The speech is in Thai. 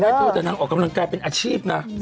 เธอแต่นางออกกำลังกายเป็นอาชีพนะ